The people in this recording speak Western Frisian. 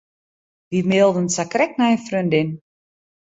Wy mailden sakrekt nei in freondin.